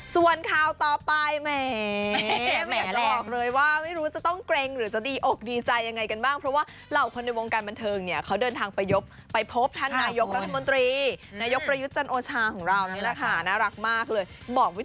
ส่วนข่าวต่อไปแหม